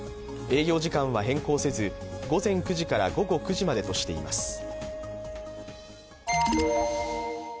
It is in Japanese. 営業時間は変更せず、午前９時から午後９時までとしています。